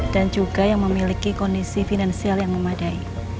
dan juga yang memiliki kondisi finansial yang memadai